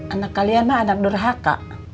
anak kalian lah anak durhaka